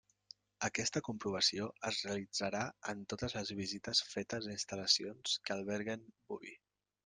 Aquesta comprovació es realitzarà en totes les visites fetes a instal·lacions que alberguen boví.